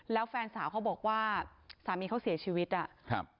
แล้วแฟนสาวเขาบอกว่าสามีเขาเสียชีวิตอ่ะครับ